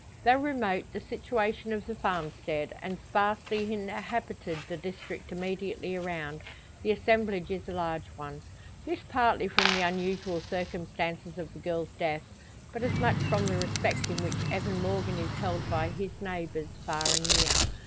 Though remote the situation of the farm stead, and sparsely inhabited the district immediately around, the assemblage is a large one. This partly from the unusual circumstances of the girl's death, but as much from the respect in which Evan Morgan is held by his neighbours, far and near.